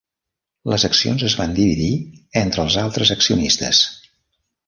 Les accions es van dividir entre els altres accionistes.